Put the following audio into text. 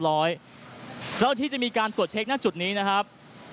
แล้วที่จะมีการตรวจเช็คหน้าจุดนี้นะครับ